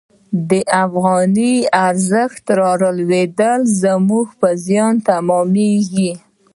د افغانۍ ارزښت رالوېدل زموږ په زیان تمامیږي.